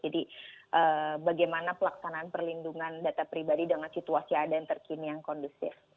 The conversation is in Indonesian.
jadi bagaimana pelaksanaan perlindungan data pribadi dengan situasi ada yang terkini yang kondusif